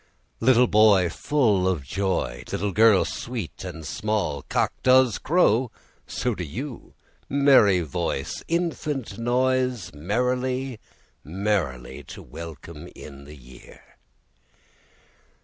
Little boy, Full of joy; Little girl, Sweet and small; Cock does crow, So do you; Merry voice, Infant noise; Merrily, merrily to welcome in the year.